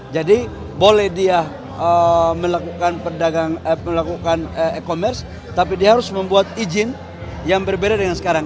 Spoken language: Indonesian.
jadi boleh dia melakukan e commerce tapi dia harus membuat izin yang berbeda dengan sekarang